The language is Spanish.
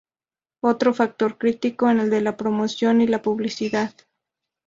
Otro factor crítico es el de la promoción y la publicidad.